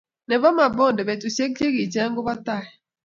Nebo Mabonde betusiek kicheng bo tai